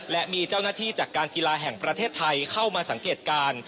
และมีเจ้าหน้าที่จากการกีฬาแห่งประเทศไทยเข้ามาสังเกตการณ์